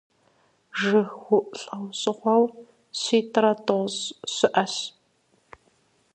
ЖыгыуIу лIэужьыгъуэу щитIрэ тIощI щыIэщ.